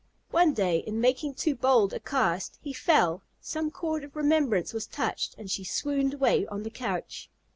One day, in making too bold a cast, he fell; some chord of remembrance was touched, and she swooned away on the couch.